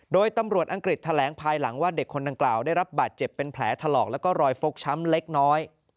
โดยตำรวจอังกฤษแถลงภายหลังว่าเด็กคนดังกล่าวได้รับบาดเจ็บเป็นแผลถลอกแล้วก็รอยฟกช้ำเล็กน้อย